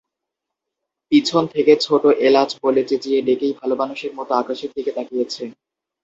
পিছন থেকে ছোটো এলাচ বলে চেঁচিয়ে ডেকেই ভালোমানুষের মতো আকাশের দিকে তাকিয়েছে।